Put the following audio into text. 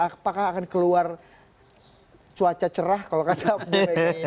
apakah akan keluar cuaca cerah kalau kata pak jk ini